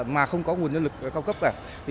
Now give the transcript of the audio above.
mà không có nguồn nhân lực cao cấp cả